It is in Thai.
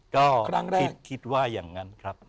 ก็คิดว่าอย่างนั้นครับ